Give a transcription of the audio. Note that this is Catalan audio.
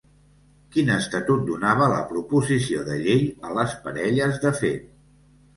Quin estatut donava la proposició de llei a les parelles de fet?